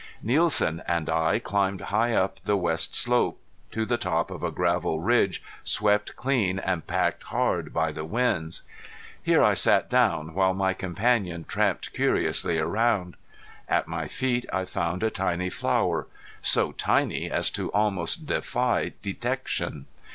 Nielsen and I climbed high up the west slope to the top of a gravel ridge swept clean and packed hard by the winds. Here I sat down while my companion tramped curiously around. At my feet I found a tiny flower, so tiny as to almost defy detection.